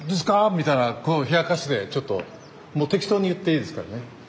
みたいな冷やかしでちょっともう適当に言っていいですからね。